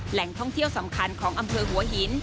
แหล่งท่องเที่ยวสำคัญของอำเภอหัวหิน